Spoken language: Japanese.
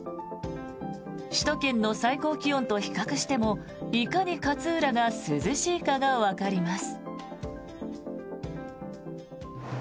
首都圏の最高気温と比較してもいかに勝浦が涼しいかがわかります。